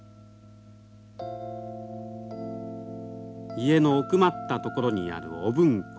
家の奥まった所にある御文庫。